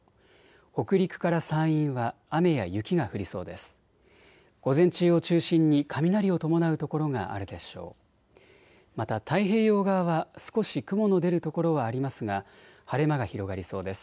北陸から山陰は雨や雪が降りそうです。